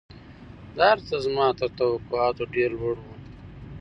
دا هرڅه زما تر توقعاتو ډېر لوړ وو